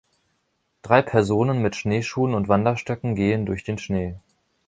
Drei Personen mit Schneeschuhen und Wanderstöcken gehen durch den Schnee.